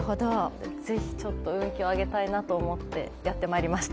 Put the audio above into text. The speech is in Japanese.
ぜひ運気を上げたいなと思ってやってまいりました。